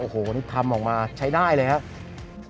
โอ้โหนี่ทำออกมาใช้ได้เลยครับ